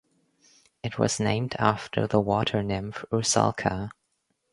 It was named after the water nymph Rusalka.